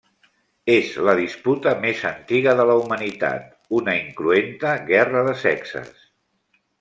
És la disputa més antiga de la humanitat, una incruenta guerra de sexes.